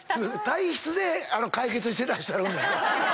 体質で解決してらっしゃるんですか？